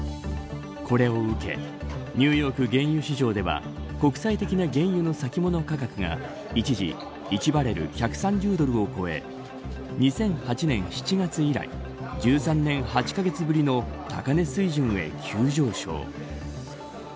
これを受けニューヨーク原油市場では国際的な原油の先物価格が一時１バレル１３０ドルを超え２００８年７月以来１３年８カ月ぶりの高値水準へ急上昇。